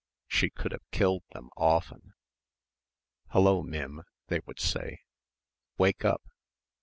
She could have killed them often. "Hullo, Mim," they would say, "Wake up!"